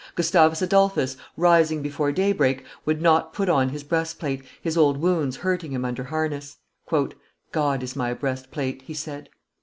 Gustavus Adolphus, rising before daybreak, would not put on his breastplate, his old wounds hurting him under harness: "God is my breastplate," he said.